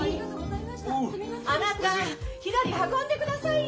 あなたひらり運んでくださいよ！